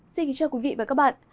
xin kính chào quý vị và các bạn